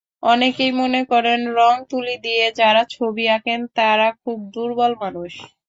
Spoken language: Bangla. অনেকেই মনে করেন, রংতুলি দিয়ে যাঁরা ছবি আঁকেন, তাঁরা খুব দুর্বল মানুষ।